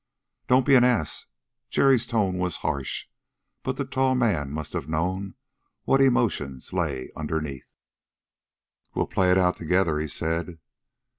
"Don't be an ass." Jerry's tone was harsh, but the tall man must have known what emotions lay underneath. "We'll play it out together," he said.